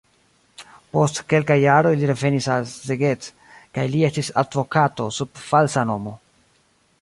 Post kelkaj jaroj li revenis al Szeged kaj li estis advokato sub falsa nomo.